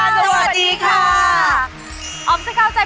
อ๋อมจะเข้าใจพูดนะครับ